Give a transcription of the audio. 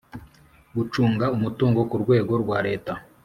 gucunga umutungo ku rwego rwa leta